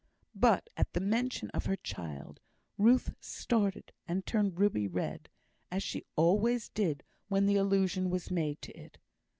But, at the mention of her child, Ruth started and turned ruby red; as she always did when allusion was made to it.